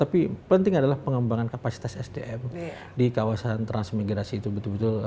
tapi penting adalah pengembangan kapasitas sdm di kawasan transmigrasi itu betul betul